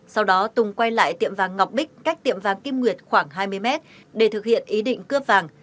sau đó tùng quay lại tiệm vàng ngọc bích cách tiệm vàng kim nguyệt khoảng hai mươi mét để thực hiện ý định cướp vàng